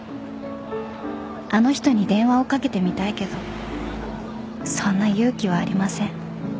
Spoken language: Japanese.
［あの人に電話をかけてみたいけどそんな勇気はありません］